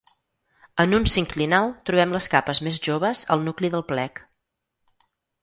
En un sinclinal trobem les capes més joves al nucli del plec.